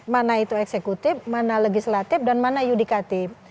mana itu eksekutif mana legislatif dan mana yudikatif